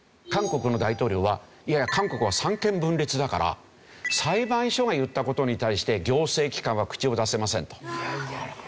韓国の大統領はいやいや韓国は三権分立だから裁判所が言った事に対して行政機関は口を出せませんと。